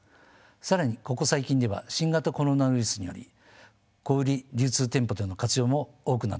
更にここ最近では新型コロナウイルスにより小売り流通店舗での活用も多くなっております。